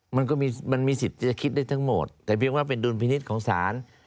มันก็มีสิทธิ์จะคิดได้ทั้งหมดแต่เพียงว่าเป็นดุลพินิษฐ์ของศาล